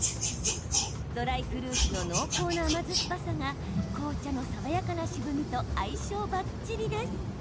ドライフルーツの濃厚な甘酸っぱさが紅茶の爽やかな渋みと相性ばっちりです。